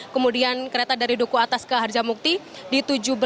kemudian kereta dari duku atas ke harjamukti di tujuh belas empat puluh sembilan